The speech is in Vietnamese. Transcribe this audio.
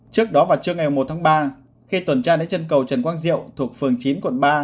trước đó vào trưa ngày một tháng ba khi tuần tra đến chân cầu trần quang diệu thuộc phường chín quận ba